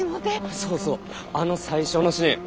そうそうあの最初のシーン。